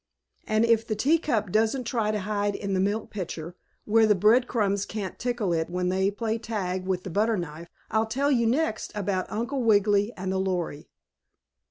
And if the teacup doesn't try to hide in the milk pitcher, where the bread crumbs can't tickle it when they play tag with the butter knife, I'll tell you next about Uncle Wiggily and the Lory.